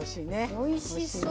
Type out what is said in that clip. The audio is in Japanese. おいしそう！